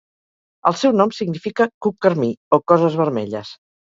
El seu nom significa "cuc carmí" o "coses vermelles.